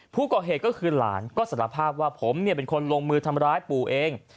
ผู้ก่อเหตุก็คือหลานก็สารภาพว่าผมเป็นคนลงมือทำร้ายปู่เอง